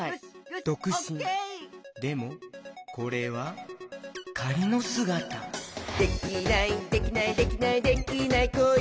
でもこれはかりのすがた「できないできないできないできない子いないか」